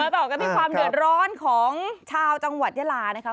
ต่อกันที่ความเดือดร้อนของชาวจังหวัดยาลานะคะ